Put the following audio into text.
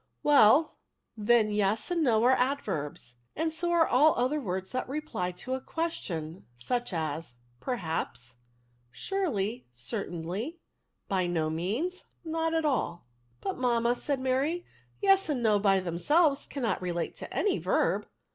'"Well, then, yes and no are adverbs, and so are all other words that reply to a ques tion, such as, perhaps^ surely, certainty, by no means, not at all.'* " But, mamma," said Mary, " yes and no, by themselves, cannot relate to any verb